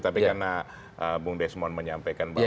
tapi karena bung desmond menyampaikan bahwa